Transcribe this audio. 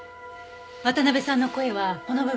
渡辺さんの声はこの部分。